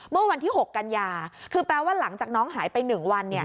เมื่อวันที่๖กันยาคือแปลว่าหลังจากน้องหายไป๑วัน